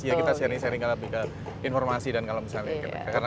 iya kita sharing sharing informasi dan kalau misalnya kita